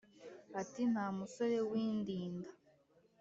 ati " nta musore w' indinda